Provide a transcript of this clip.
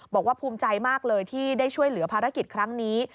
ภูมิใจมากเลยที่ได้ช่วยเหลือภารกิจครั้งนี้